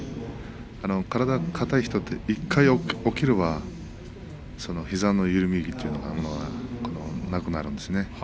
体が硬い人は１回起きれば膝の緩みとかなくなるんですよね。